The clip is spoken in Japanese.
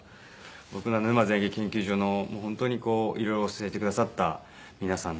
僕の沼津演劇研究所の本当に色々教えてくださった皆さんなので。